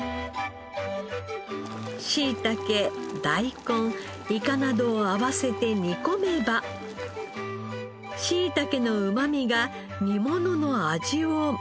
しいたけダイコンイカなどを合わせて煮込めばしいたけのうまみが煮物の味をまとめ上げます。